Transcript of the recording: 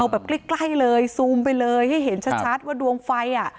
แบบใกล้เลยซูมไปเลยให้เห็นชัดว่าดวงไฟอ่ะ